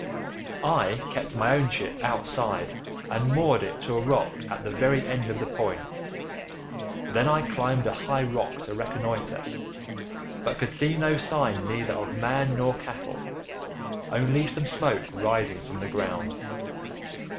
I kept my own ship outside, and moored it to a rock at the very end of the point; then I climbed a high rock to reconnoitre, but could see no sign neither of man nor cattle, only some smoke rising from the ground.